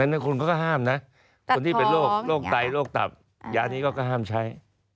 นั้นคุณเขาก็ห้ามนะคนที่เป็นโรคไตโรคตับยานี้ก็ห้ามใช้